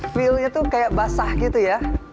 feelnya tuh kayak basah gitu ya